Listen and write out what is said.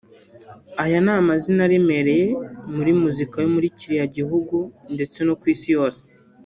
Aya ni amazina aremereye muri muzika yo muri kiriya gihugu ndetse no ku isi yose